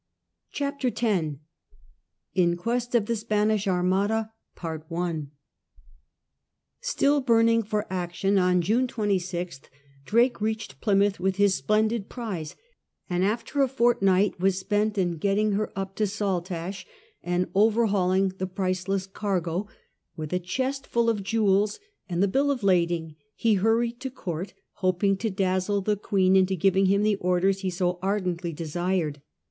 CHAPTER X IN QUEST OF THE SPANISH ARMADA Still burning for action, on June 26th Drake reached Plymouth with his splendid prize, and after a fortnight was spent in getting her up to Saltash and overhauling the priceless cargo, with a chest full of jewels and the bill of lading he hurried to Court hoping to dazzle the Queen into giving him the orders he so ardently desired.